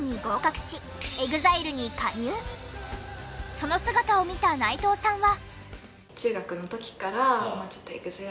その姿を見た内藤さんは。